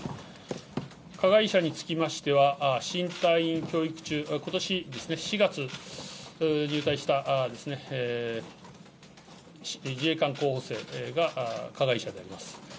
加害者につきましては、新隊員教育中、ことしですね、４月に入隊した自衛官候補生が加害者であります。